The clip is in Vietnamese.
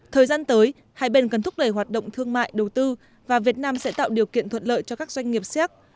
thời gian tới hai bên cần thúc đẩy hoạt động thương mại đầu tư và việt nam sẽ tạo điều kiện thuận lợi cho các doanh nghiệp xếp